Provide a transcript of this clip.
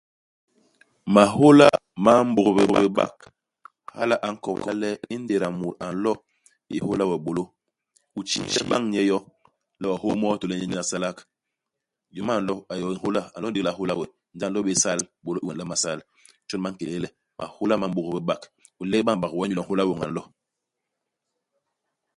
Mahôla ma m'bôk bé bak, hala a nkobla le ingéda mut a nlo ihôla we bôlô, u tjiile bañ nye yo, le we u hôô moo i tôl le nyen a salak. Yom a nlo a yé we nhôla. A nlo ndigi le a hôla we. Ndi a nlo bé isal bôlô i we u nlama sal. Jon ba nkélél le mahôla ma m'bôk bé bak. U lep bañ bak wee inyu le nhôla wem a nlo.